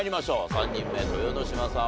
３人目豊ノ島さん